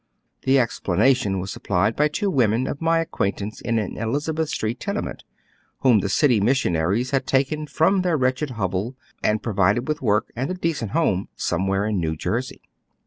The explanation was supplied by two women of my acquaintance in an Elizabeth Street^tenement, whom the city missio»aries had taken from tlieir wretched hovel and provided^ with work and a decent home some where in New Jer^y.